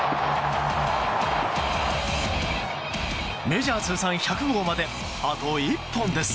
メジャー通算１００号まであと１本です。